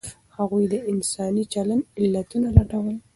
هغوی د انساني چلند علتونه لټول.